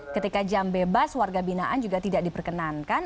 ketika jam bebas warga binaan juga tidak diperkenankan